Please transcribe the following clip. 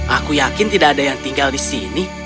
aku yakin tidak ada yang tinggal di sini